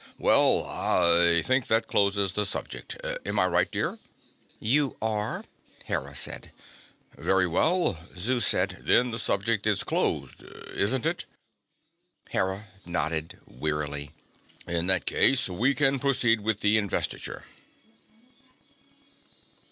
"Well, I think that closes the subject. Am I right, dear?" "You are," Hera said. "Very well," Zeus said. "Then the subject is closed, isn't it?" Hera nodded wearily. "In that case, we can proceed with the investiture.